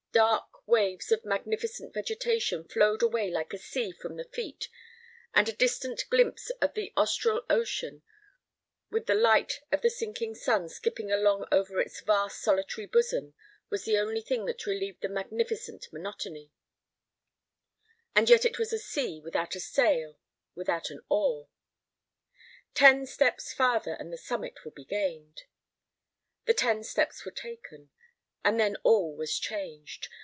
Dark waves of magnificent vegetation flowed away like a sea from the feet, and a distant glimpse of the Austral Ocean, with the light of the sinking sun skipping along over its vast, solitary bosom, was the only thing that relieved the magnificent monotony; and yet it was a sea without a sail, without an oar. Ten steps farther, and the summit will be gained! The ten steps were taken, and then all was changed.